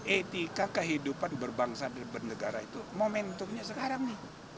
etika kehidupan berbangsa dan bernegara itu momentumnya sekarang nih